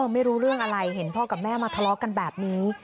ไม่รู้เรื่องอะไรเห็นพ่อกับแม่มาทะเลาะกันแบบนี้